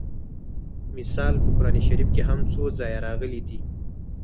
مثل په قران شریف کې هم څو ځایه راغلی دی